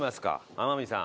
天海さん